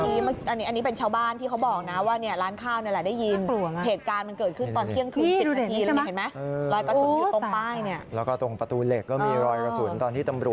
เมื่อกี้อันนี้เป็นชาวบ้านที่เขาบอกนะว่าร้านข้าวเนี่ยนะแล้วได้ยิน